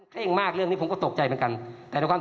เคร่งมากเรื่องนี้ผมก็ตกใจเหมือนกัน